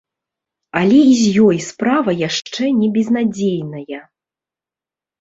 Але і з ёй справа яшчэ не безнадзейная.